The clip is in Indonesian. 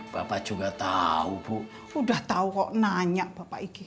bapak juga tahu bu udah tahu kok nanya bapak ig